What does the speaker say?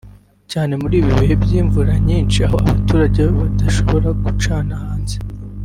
cyane muri ibi bihe by’imvura nyinshi aho abaturage badashobora gucana hanze